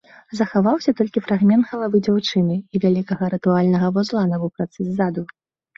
Захаваўся толькі фрагмент галавы дзяўчыны і вялікага рытуальнага вузла на вопратцы ззаду.